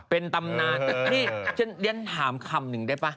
เป็นตำนานนี่ฉันเรียนถามคำหนึ่งได้ป่ะ